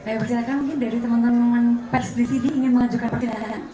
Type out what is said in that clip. ya kita ambil pertanyaan dari